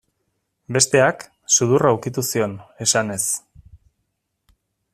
Besteak, sudurra ukitu zion, esanez.